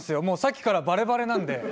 もうさっきからバレバレなんで。